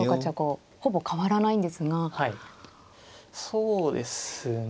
そうですね